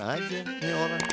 saya kerjain aja nih orang